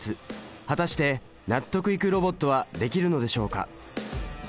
果たして納得いくロボットは出来るのでしょうか？